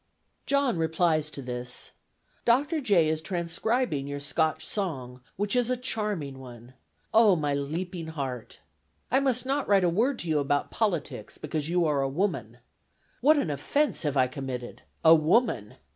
John replies to this: "Dr. J. is transcribing your Scotch song, which is a charming one. Oh, my leaping heart! "I must not write a word to you about politics, because you are a woman. "What an offense have I committed! A woman!